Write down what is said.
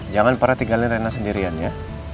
jangan pernah tinggalin rena sendirian ya